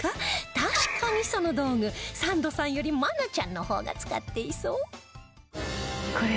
確かにその道具サンドさんより愛菜ちゃんの方が使っていそう